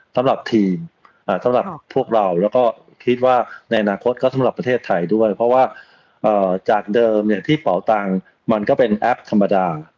สำหรับทีมสำหรับพวกเราแล้วก็คิดว่าในอนาคตก็สำหรับประเทศไทยด้วยเพราะว่าจากเดิมที่เป่าตังค์มันก็เป็นแอปธรรมดา